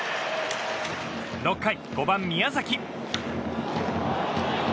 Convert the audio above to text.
６回、５番の宮崎。